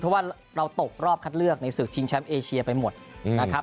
เพราะว่าเราตกรอบคัดเลือกในศึกชิงแชมป์เอเชียไปหมดนะครับ